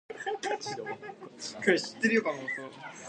He was born in Zaragoza, Aragon, into an old Aragonese family.